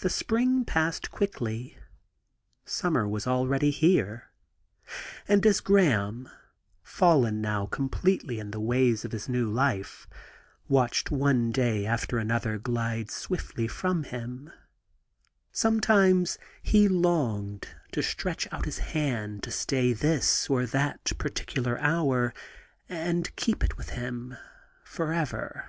The spring passed quickly; summer was already 54 THE GARDEN GOD here ; and as Graham, fallen now completely into the ways of his new life, watched one day after another glide swiftly from him, sometimes he longed to stretch out his hand to stay this or that particular hour and keep it with him for ever.